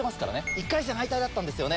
１回戦敗退だったんですよね。